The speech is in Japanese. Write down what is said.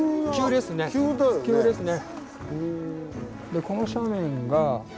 急ですね。